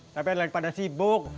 tapi adalah daripada sibuk